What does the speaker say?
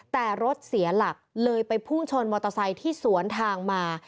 แต่รถเสียหลักเลยไปพุ่งชนมอเตอร์ไซค์ที่สวนทางมา